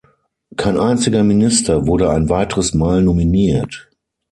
Kein einziger Minister wurde ein weiteres Mal nominiert.